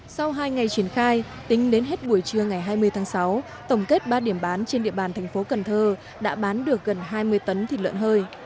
sau hai ngày triển khai tính đến hết buổi trưa ngày hai mươi tháng sáu tổng kết ba điểm bán trên địa bàn thành phố cần thơ đã bán được gần hai mươi tấn thịt lợn hơi